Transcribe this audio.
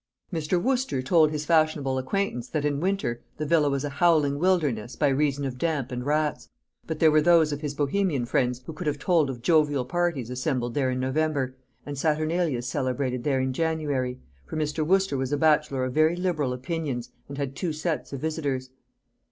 Mr. Wooster told his fashionable acquaintance that in winter the villa was a howling wilderness by reason of damp and rats; but there were those of his Bohemian friends who could have told of jovial parties assembled there in November, and saturnalias celebrated there in January; for Mr. Wooster was a bachelor of very liberal opinions, and had two sets of visitors.